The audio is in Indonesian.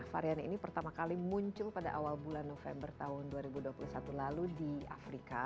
varian ini pertama kali muncul pada awal bulan november tahun dua ribu dua puluh satu lalu di afrika